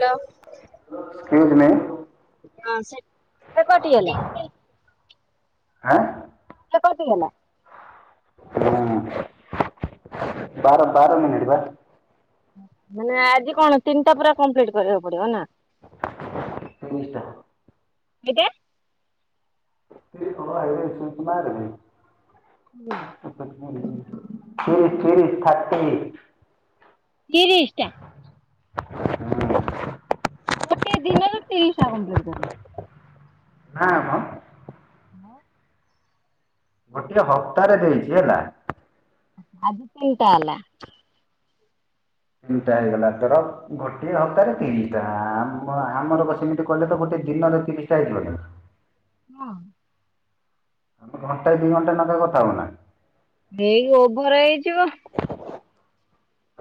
Hello. Excuse me ହଁ ସେ ସେ କଟିଗଲେ। ସେ କଟିଗଲା। ହଁ ବାର ବାର ମିନିଟ୍ ବା ମାନେ ଆଜି କଣ ତିନିଟା ପୁରା କମ୍ପ୍ଲିଟ୍ କରିବାକୁ ପଡ଼ିବନା। ତିନିଟା। କେଇଟା? [unintelligible] [unintelligible] ତିରିଶିଟା। ଗୋଟେ ଦିନରେ ତିରିଶିଟା କମ୍ପ୍ଲିଟି କରିମି। ନାଁ ମ। ହଁ। ଗୋଟେ ହପ୍ତାରେ ତିରିଶି ହେଲା। ଆଜି ତିନିଟା ହେଲା। ତିନିଟା ହେଇଗଲା ତର ଗୋଟିଏ ହପ୍ତାରେ ତିରିଶିଟା ଆମ ଆମରପା ସେମିତି କଲେତ ଗୋଟେ ଦିନରେ ତିରିଶିଟା ହେଇଯିବନା। ହଁ। ଆମେ ଘଣ୍ଟା ଦି ଘଣ୍ଟା ନଗା କଥା ହବନା। ଏଇ ଓଭର ହେଇଯିବ। [inaudible]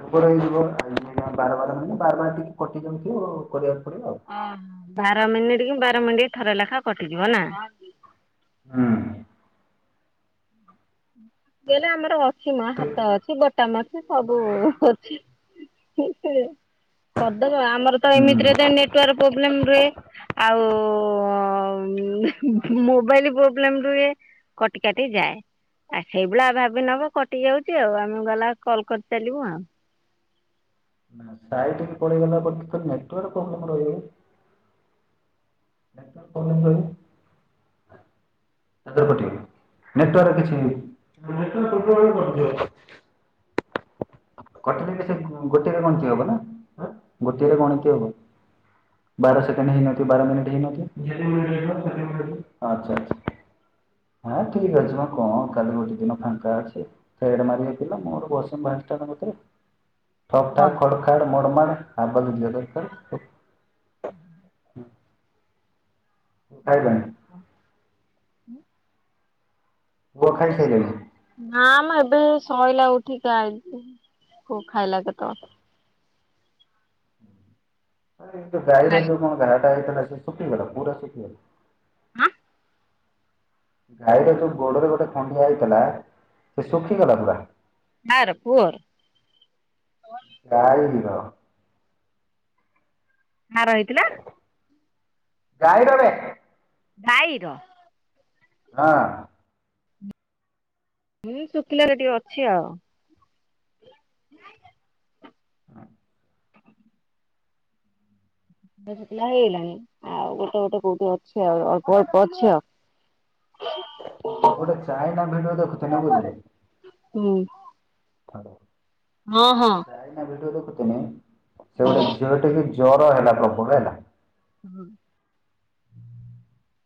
ଓଭର ହେଇଯିବ ବାର ବାର ମାନେ ବାର ବାର ଟିକେ କଟି ଯାଉଥିବ ଅ କରିବାକୁ ପଡ଼ିବ ଆଉ। ଓହୋ ବାର ମିନିଟିକି ବାର ମିନିଟ୍ ଥରେ ଲେଖା କଟିଯିବନା। ହୁଁ। ଗଲେ ଆମର ଅଛି ତୁ- ମାହାତ ଅଛି ବ [unintelligible] ସବୁ ଅଛି [unintelligible] କରିଦେବେ ଆମରତ ଏମିତିରେ ହୁଁ ଦେନ୍ ନେଟୱାର୍ ପ୍ରୋବ୍ଲେମ ରୁହେ। ଆଉ ହୁ ମୋବାଇଲ୍ ପ୍ରୋବ୍ଲେମ୍ ରୁହେ। କଟି କାଟି ଯାଏ। ଆଉ ସେଇଭଳିଆ ଭାବି ନବ କଟି ଯାଉଚି ଆଉ ଆମେ ଗଲା କଲ୍ କରିଚାଲିବୁ ଆଉ। ସାଇଟିକୁ ପଳେଇଗଲା କତୁରତ ନେଟୱର୍କ ପ୍ରୋବ୍ଲେମ୍ ରହିଯିବ। [unintelligible] ନେଟୱର୍କ କିଛି ନେଟୱର୍କ ପ୍ରୋବ୍ଲେମ୍ ହେଲେ କଟିଯିବ। କଟିଗଲେ ସେ ଗୋଟିଏରେ ଗଣତି ହବ ନା ଗୋଟିଏରେ ଗଣତି ହବ ବାର ସେକଣ୍ଡ ହେଇ ନଥିବ ବାର ମିିନିଟ ହେଇନଥିବ [unintelligible] ଆଛା ଆଛା। ହଁ ଠିକ୍ ଅଛିମ କଣ କାଲି ଗୋଟେ ଦିନ ଫାଙ୍କା ଅଛି। ଥେଢ଼୍ ମାରି ନଥିଲ ମୋର। [unintelligible] ଠକ୍ ଠାକ୍ ଖଡ଼ ଖାଡ଼ ମଡ଼ମାଡ଼ ଆବାଯ ଯିବା ଦରକାର। ହୁଁ। ଖାଇଲାଣି ଓହୋ ହୋ ହୋ ପୁଅ ଉ ରୋଷେଇ ସଇଲା। ଖାଇସାଇଲାଣି ନାମ ଏବେ ଶୋଇଲା ଉଠିକି ଆଇନି ପୁଅ ଖାଇଲା କେତେବେଳେ। ଏ ଯୋଉ ଗାଈର ଯୋଉ କଣ ଘାଟା ହେଇଥିଲା ସେଶୁଖିଗଲା ପୁରା ଶୁଖିଗଲା? ଆଁ। ଗାଈର ଯୋଉ ଗୋଡ଼ରେ ଗୋଟେ ଖଣ୍ଡିଆ ହେଇଥିଲା ସେ ଶୁଖିଗଲା ପୁରା। କାଆର ପୁଅର। ଗାଈର। କାହାର ହେଇଥିଲା? ଗାଈରବେ। ଗାଈର। ହଁ। ହୁଁ ଶୁଖିଲାରେ ଟିକେ ଅଛି ଆଉ। [inaudible] ହଁ [inaudible] ଗୋଟେ ଚାଇନା ଭିଡୁଅ ଦେଖୁ, ବୁଝିଲେ? ହୁଁ। ଲୋ, ହଁ ହଁ ଗୋଟେ ଚାଇନା ଭିଡୁଅ ଦେଖୁଥିନି। ସେ ଗୋଟେ ଝି ଝିଅ ଟିକି ଜର ହେଲା, ପ୍ରବଳ ହେଲା। ହୁଁ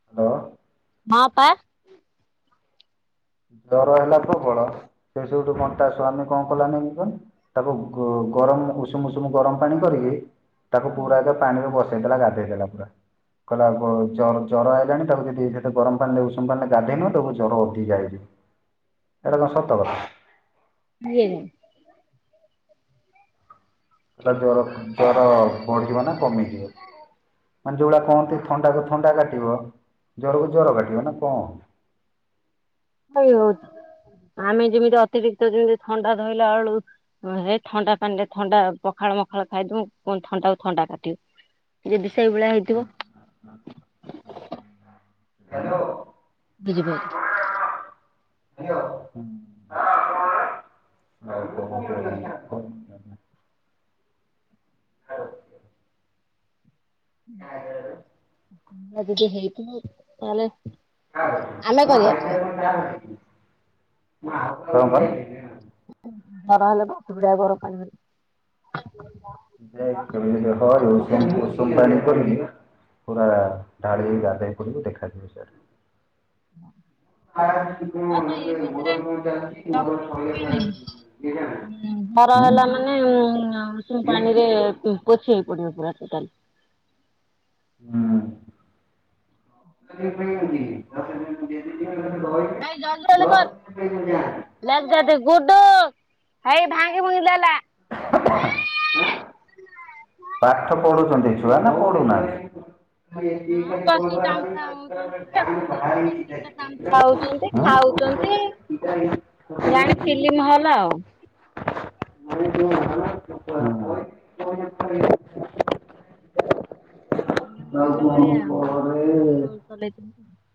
[inaudible] [inaudible] ଜର ହେଲା ପ୍ରବଳ, ସେଇଠୁ ତା ସ୍ୱାମୀ କ'ଣ କଲା ନେଇଙ୍କି ତାକୁ ଗରମ୍ ଉଷୁମ୍ ଉଷୁମ୍ ଗରମ୍ ପାଣି କରିକି। ତାକୁ ପୁରା ପାଣିରେ ବସେଇ ଦେଲା, ଗାଧେଇ ଦେଲା ପୁରା। କହିଲା ବ ଜର ଜର ଆଇଲାଣି, ତାକୁ ଯେଦି ସେଠେ ଗରମ୍ ପାଣିିରେ ଉଷୁମ୍ ପାଣିିରେ ଗାଧୋଇନୁ ତାକୁ ଜର ଉଠି ଯାଇଚି। ଏଇଟା କ'ଣ ସତ କ [inaudible] [inaudible] [inaudible] ମାନେ ଯଉ ଭଳିଆ କୁହନ୍ତି, ଥଣ୍ଡାକୁ ଥଣ୍ଡା କାଟିବ। ଜରକୁ ଜ୍ଵର କାଟିବ ନା ଆମେ ଯିମିତି, ଅତିରିକ୍ତ ଜିନ୍ତି ଥଣ୍ଡା ଧଇଲା ଅଳୁ ହେ ଥଣ୍ଡା ପାଣ୍ ରେ ଥଣ୍ଡା ପଖାଳ ମଖାଳ ଖାଇଦଉଁ। ଥଣ୍ଡା କୁ ଥଣ୍ଡା କାଟି ୟେବି ସେଇ ଭଳିଆ ହେଇଥିବ। [inaudible] ବୁଝି ପାଇଲ? ହ୍ୟାଲୋ। ହୁଁ। ହଁ [inaudible] ଆମେ କରିବା ଟ୍ରାଏ। [unintelligible] [unintelligible] [unintelligible] ପୁରା ଢ଼ାଳି ହେଇ ଗାଧେଇ ପଡ଼ିବୁ, ଦେଖାଯିବ ସିଆଡ଼େ। [unintelligible] ଜର ହେଲା [inaudible] ମାନେ ଉଷୁମ୍ ପାଣିରେ ପୋଛି ହେଇ ପଡ଼ିବ ପୁରା ଟୋଟାଲି। [unintelligible] ନାଇଁ ଜଲ୍ଦି ଜଲ୍ଦି କର୍। [inaudible] [unintelligible] [inaudible] [unintelligible] ଖାଉଚନ୍ତି, ଜାଣି ଫିଲିମ୍ ହଲ ଆଉ। [unintelligible] [inaudible]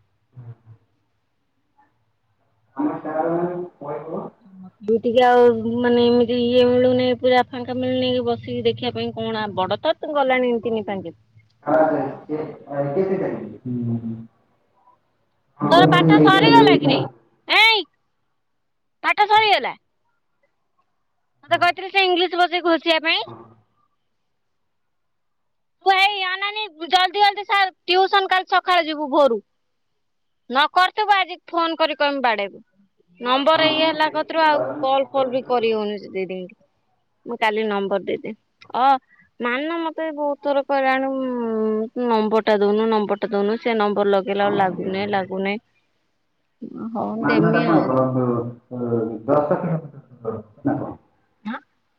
[unintelligible] [inaudible] ଆଉ ମାନେ ଇମିତି ଇଏ ମିଳୁନି, ପୁରା ଫାଙ୍କା ମିଳୁନି କି ବସିକି ଦେଖିବା ପାଇଁ। କ'ଣ ବଡ଼ ତ ତ ଗଲାଣି ତିନି ପା [unintelligible] ତୋର ପାଠ ସରିଗଲା କିରେ? [unintelligible] ଏଇ ପାଠ ସରିଗଲା। ତତେ କହିଥିଲି ସେ ଇଂଲିଶ୍ ବସି ଘୋଷିବା ପା [inaudible] ତୁ ଏଇ ଅନାନି ଜଲ୍ଦୀ ଜଲ୍ଦୀ ସାରେ ଟିଉସନ୍ କଲି ସଖାଳେ ଯିବୁ ଭୋରୁ। ନକରିଥିବୁ ଆଜି ଫୋନ୍ କରିକି କହିମି ବାଡେଇବୁ। ନମ୍ବର୍ ଏଇ ହେଲା କତ୍ରୁ ଆଉ କଲ୍ ଫଲ୍ ବି କରି ହୋଉନି। ସେ ଦିଦିଙ୍କି ମୁଁ କାଲି ନମ୍ବର୍ ଦେଇଦେବି ଅ ମାନ ମତେ ବୋହୁତୁ ଥର କହିଲାଣି ଉଁ ନମ୍ବର ଟା ଦୋଉନୁ ନମ୍ବର ଟା ଦୋଉନୁ ସେ ନମ୍ବର ଲଗ୍ ଗେଇଲା ବେଳୁ ଲାଗୁନେଇ ହଁ। ଲାଗୁନେଇ। ମାନ ଟା କଣ [unintelligible] ନା କଣ।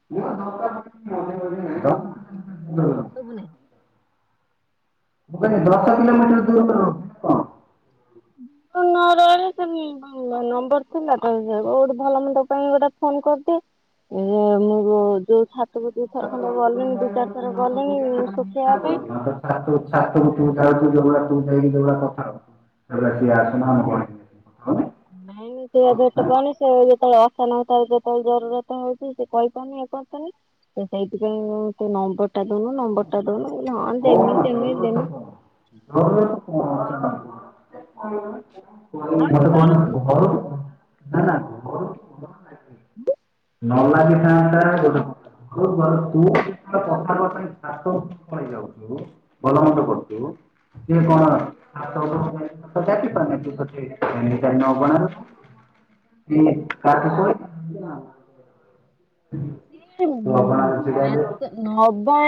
[unintelligible] ଶୁବୁ [unintelligible] ମୁଁ କହିଲି ଦଶ କିଲୋମିଟର୍ [unintelligible] କଣ। [unintelligible] [unintelligible] ନମ୍ବର୍ ଥିଲା ତ ଯେ [unintelligible] ଭଲ ମନ୍ଦ ପାଇଁ ଗୋଟେ ଫୋନ୍ [unintelligible] [unintelligible] ଯୋଉ ଛାତକୁ ଯୋଉ ଥର ଖଣ୍ଡ ଗଲିଣି ଦୁଇ ଚାରି ଥର ଗଲିଣି ସୁଖେଇବା ପାଇଁ। [unintelligible] ଛାତୁକୁ ତୁ ଯାଉଚୁ ଯୋଉ ଭଳିଆ ତୁ ଯାଇକି ଯୋଉ ଭଳିଆ କଥା ତ [unintelligible] ନାଇଁ ସିଏ ଭେଟ ପାଉନି ସିଏ ଯେତୋବୋଳେ [unintelligible] ଯେତୋବୋଳେ ଜରୁରତ ହୋଉଚି ସିଏ କହିପାରୁନି [unintelligible] ସିଏ ସେଇଥିପାଇଁ [unintelligible] ନମ୍ବର୍ ଟା ଦୋଉନୁ ନମ୍ବର୍ ଟା ଦୋଉନୁ ମୁଁ କହିଲି ହଁ ଆଁ ଦେମି କଣ ଦେମି ଜରୁରତ ଦେମି। କଣ? [unintelligible] [unintelligible] [unintelligible] ଘରୁ ହଁ ତାର ନା ନା ଘରୁ [inaudible] [unintelligible] [unintelligible] ଛାତକୁ ପଳେଇ ଯାଉଚୁ। ଭଲମନ୍ଦ କରୁଚୁ [unintelligible] ଛାତ [unintelligible] [unintelligible] ସିଏ ତୁ ଅଗଣାରେ ଛିଡ଼ା ହେଲୁ [unintelligible] ନବା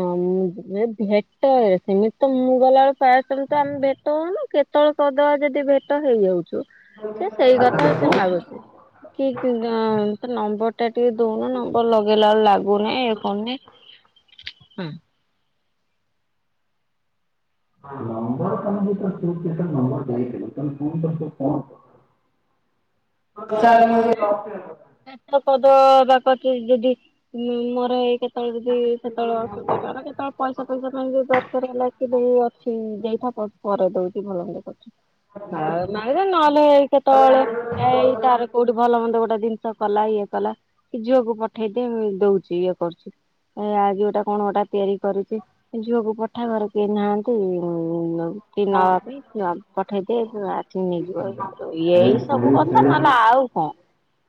[unintelligible] ଭେଟ ହେ ସେମିତି ତ ମୁଁ ଗଲାବୋଳୁ ପାଅ ସମୟ ତ ଆମେ ଭେଟ ହୋଉନୁ କେତୋବୋଳେ [unintelligible] ଯଦି ଭେଟ ହେଇଯାଉଚୁ ସିଏ ସେଇ କଥା ଆଚ୍ଛା ସିଏ ତୁ କଣ ମାଗୁଛି କି [unintelligible] ନମ୍ବର୍ ଟା ଦୋଉନୁ ନମ୍ବର୍ ଲଗେଇଲା ଆଳୁ ଲାଗୁନେଇଁ ଇଏ କରୁନି ହୁଁ। ହଁ ନମ୍ବର ତମକୁ ତ [unintelligible] ନମ୍ୱର ଦେଇଦେଲି [unintelligible] [unintelligible] [unintelligible] ମୋରୋ ଏକେ [unintelligible] ଯଦି କେତୋବୋଳେ ଅସୁବିଧା ତାର [unintelligible] ପଇସା ଫଇସା ପାଇଁ ଯଦି ଦରକାର୍ ହେଲା କି ଦେଇ ଅଛି ଦେଇଥା ପ ପରେ ଦୋଉଚି ଭଲ ମନ୍ଦ କରୁଚି ଆଉ [unintelligible] ନହେଲେ କେତୋବୋଳେ ଏଇ ତାର କୋଉଠି ଭଲ ମନ୍ଦ ଗୋଟାଏ ଦିନ୍ସ କଲା ଇଏ କଲା କି ଝିଅକୁ ପଠେଇ ଦେ ମୁଁ ଦୋଉଛି ଇଏ କରୁଛି। ଏଁ ଆଜି ଗୋଟାଏ କଣ ଗୋଟାଏ ତିଆରି କରୁଚି ଝିଅକୁ ପ ଠା ଘରେ କେହି ନାହାନ୍ତି [unintelligible] ନବା ପାଇଁ। [unintelligible] ପଠେଇ ଦେ ଆସିକି ନେଇଯିବ ଏଇ କରିବ ସେ ସେଇ ଏଇ ସବୁ କଥା ସେଇ ନହେଲେ ଆଉ କଣ?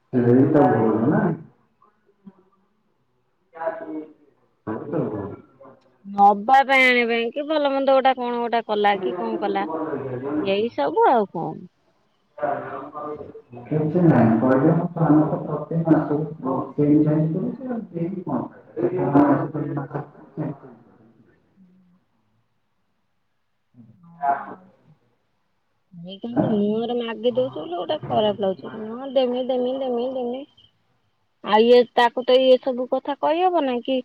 [unintelligible] [unintelligible] ନବା ପାଇଁ ଆଣିବା ପାଇଁ କି ଭଲ ମନ୍ଦ ଗୋଟାଏ କଣ ଗୋ ଟା କଲା କି କଁ କଲା ଭୁଲ ଏଇ ସବୁ ଆଉ କଁ। [unintelligible] [unintelligible] ଆମର ତ ପ୍ରତ୍ୟେକ ମାସକୁ [unintelligible] [unintelligible] ଆ ହେଇ କିନ୍ତୁ ମୁହଁରେ ମାଗିଦଉଚି ବୋଲି ଗୋଟେ ଖରାପ୍ ଲାଗୁଚି ଦେମି ଦେମି ଦେମି ଦେମି। ଆଉ ଇଏ ତାକୁ ତ ଏଇ ସବୁ କଥା କହିହବ ନାଇଁ କି?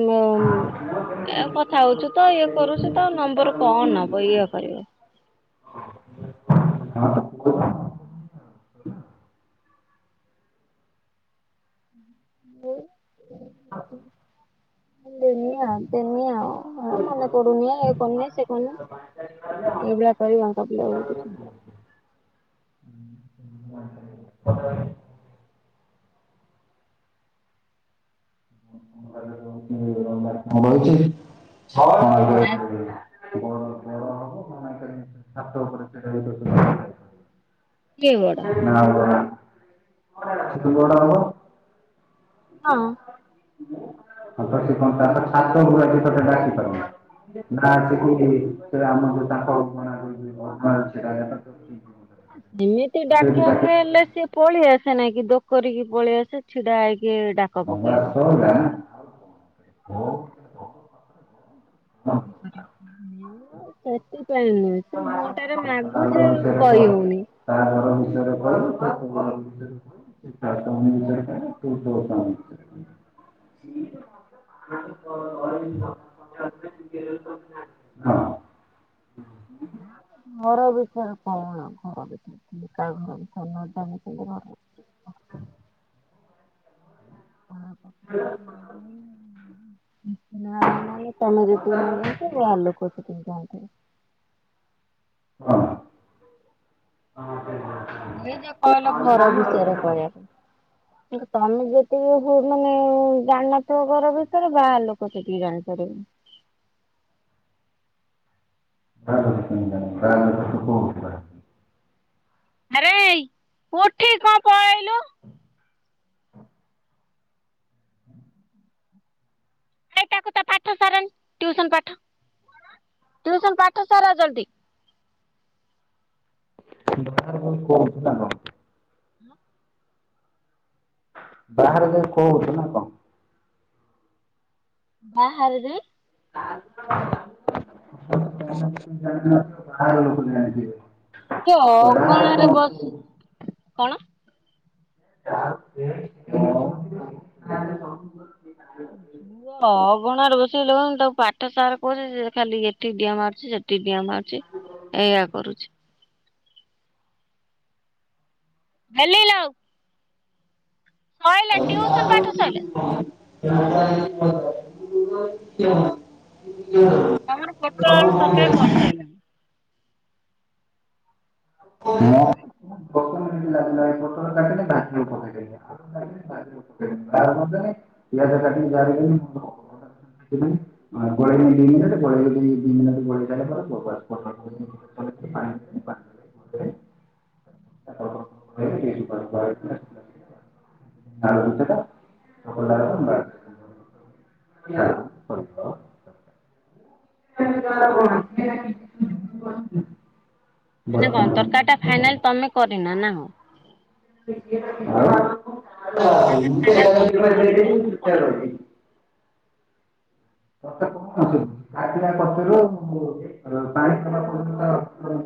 ଉ କଥା ହଉଚୁ ତ ଇଏ କରୁଛୁ ତ ନମ୍ବର କଣ ହବ। ସେଇଆ। ହଁ। ଦେମି ଆଉ ଦେମି ଆଉ ମନେ ପଡୁନି ଇଏ କରୁନି ସିଏ କରୁନି। ଏଇଭଳିଆ କରିବାଙ୍କ ପିଲା କିଛି [unintelligible] [unintelligible] [unintelligible] କିଏ ବଡ [unintelligible] ହଁ। [unintelligible] ନା ସେ ସେ ଆମ ଯୋଉ ତାଙ୍କ [unintelligible] ଏମିତି ସେଇଠି ଡାକି ଡାକିବାକୁ ହେଲେ ସେ ପଳେଇଆସେ ନାଇଁ କି ଦୋକରିକି ପଳେଇଆସେ ଛିଡା ହେଇକି ଡାକ ହଁମା ପକେଇବ। ଅର୍ଥ ହେଲା? ହୋଉ। ସେଥିପାଇଁ ନୁହେଁ। ତାର ତା ଘର ମାଗୁଛେ ବିଷୟରେ କହ କହି ହୋଉନି। ତା ଘର ବିଷୟରେ କହିବୁ ତୋ ଘର ବିଷୟରେ କହ। ସିଏ ତା କାମ ବିଷୟରେ କହିବ ତୁ ତୋ କାମ ବିଷୟରେ କହିବୁ। [unintelligible] [unintelligible] ଘର ବିଷୟରେ କଣ କହ। [unintelligible] ହୁଁ। ସେଇଆ। ନୂଆ ମାମୁଁଆଣି ତମେ ଯେତିକି ନ ଜାଣିଛ ବାହାର ଲୋକ ସେତିକି ଜାଣିଚନ୍ତି। ହଁ। ନିଜେ କହିଲ ଘର କହୁଛୁ ବିଷୟରେ ନା କଣ? କହିବା ପାଇଁ। ତମେ ଯେତିକି ମାନେ ଜାଣିନଥିବ ଘର ବିଷୟରେ ବାହାର ଲୋକ ସେତିକି ଜାଣିପାରିବେ। [unintelligible] ଆରେ ହେଇ ଉଠିକି କଣ ପଳେଆଇଲୁ। ଏ ତାକୁ ତା ପାଠ ସାରନି ଟିୟୁସନ୍ ପାଠ ଟିୟୁସନ୍ ପାଠ ସାର ଜଲ୍ଦୀ। [unintelligible] ହଁ ବାହାରେ ଯାଇ କହୁଛୁ ନା କଣ? ବାହାରେ ରେ। ବାହାର ଲୋକ ଜାଣିଥିବେ। ସେ ଅଗଣା ରେ ବସିଚି କଣ? [unintelligible] ହୋଉ। କୋଣରେ ବୋଷେଇ ଲୋକ ତାକୁ ପାଠ ସାର କହୁଛି ଖାଲି ଏଠିକି ଡିଆ ମାରୁଛି ସେଠି ଡିଆ ମାରୁଛି। ଚି ଏଇଆ କରୁଛି। ଭଲିଲ୍ ଆଉ। ଟ୍ୟୁସନ ପାଠ ସଇଲା। [unintelligible] [unintelligible] ତମର ପୋଟୋଳ ଆଳୁ ତରକାରୀ କରିସାରିଲଣି? ମୁଁ [inaudible] [inaudible] ଗୋଲେଇକି ଦି ମିନିଟ୍ ଗୋଲେଇକି ଦି ମିନିଟ୍ ଗୋଲେଇସାରିଲା ପରେ [inaudible] [inaudible] [inaudible] [inaudible] [inaudible] [inaudible] ମାନେ ପନ୍ଦର କଣ ତରକାରିଟା ମିନିଟ୍ ଫାଇନାଲ ତମେ କରିନ ନା କଣ? ତରକାରୀ ଟା ଫାଇନାଲ ତମେ କରିଛ ନା କରିନା? [inaudible] [inaudible]